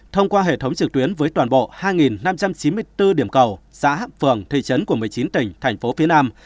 thông qua hệ thống trực tuyến với toàn bộ hai năm trăm chín mươi bốn điểm cầu xã phường thị trấn của một mươi chín tỉnh thành phố phía nam